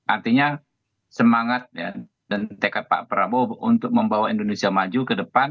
artinya semangat dan tekad pak prabowo untuk membawa indonesia maju ke depan